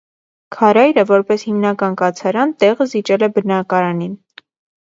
Քարայրը՝ որպես հիմնական կացարան, տեղը զիջել է բնակարանին։